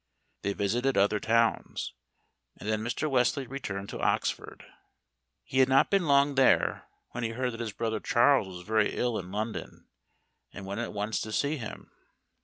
They visited other towns, and then Mr. Wesley returned to Oxford. He had not been long there when he heard that his brother Charles was very ill in London, and went at once to see him.